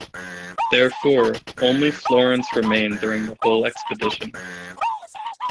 Therefore, only Florence remained during the whole expedition.